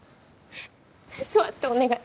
座ってお願い。